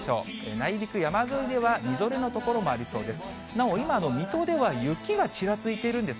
内陸、山沿いではみぞれの所もありそうです。